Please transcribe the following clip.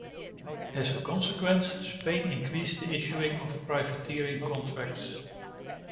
As a consequence, Spain increased the issuing of privateering contracts.